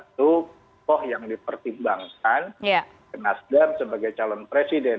dan itu adalah satu tokoh yang dipertimbangkan ke nasdem sebagai calon presiden